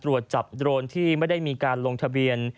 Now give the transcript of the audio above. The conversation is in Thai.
ตรวจจับโดรนที่ไม่ได้มีการลงทะเบียน